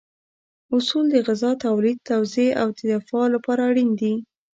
اصول د غذا تولید، توزیع او دفاع لپاره اړین دي.